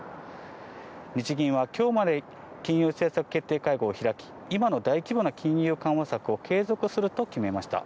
日銀はきょうまで金融政策決定会合を開き、今の大規模な金融緩和策を継続すると決めました。